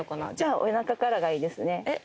おなかからがいいですね。